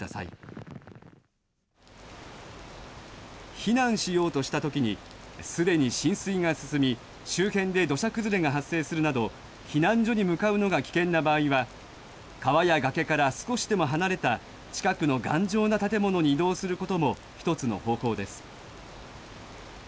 避難しようとしたときにすでに浸水が進み周辺で土砂崩れが発生するなど避難所に向かうのが危険な場合は川や崖から少しでも離れた近くの頑丈な建物に移動することも１つの方法です。